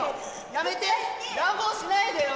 やめて乱暴しないでよ